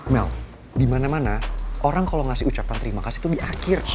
nel dimana mana orang kalo ngasih ucapan terima kasih tuh di akhir